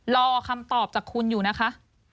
รอคำตอบจากคุณอยู่นะคะ